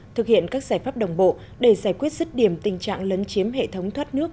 thực hiện các giải pháp đồng bộ để giải quyết rứt điểm tình trạng lấn chiếm hệ thống thoát nước